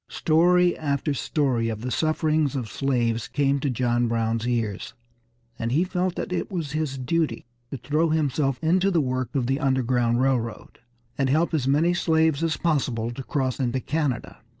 Story after story of the sufferings of slaves came to John Brown's ears, and he felt that it was his duty to throw himself into the work of the Underground Railroad, and help as many slaves as possible to cross into Canada.